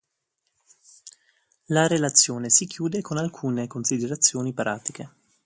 La relazione si chiude con alcune considerazioni pratiche.